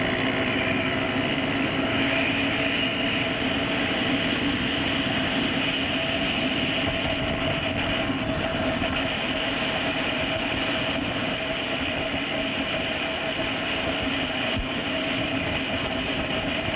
รีดรีดรีด